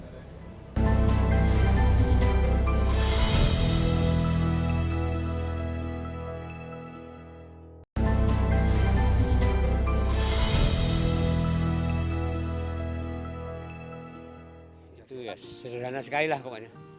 itu ya sederhana sekali lah pokoknya